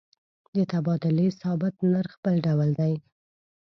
د تبادلې ثابت نرخ بل ډول دی.